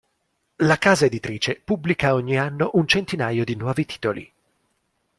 La casa editrice pubblica ogni anno un centinaio di nuovi titoli.